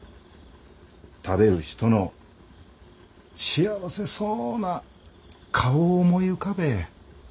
食べる人の幸せそうな顔を思い浮かべえ。